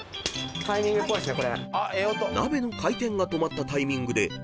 タイミングっぽいっすね。